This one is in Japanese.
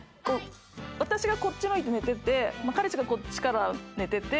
「私がこっち向いて寝てて彼氏がこっちから寝てて」